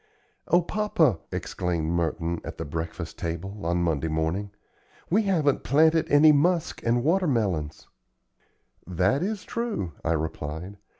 "O papa!" exclaimed Merton, at the breakfast table, on Monday morning; "we haven't planted any musk and water melons!" "That is true," I replied.